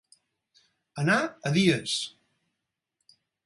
Anar a dies.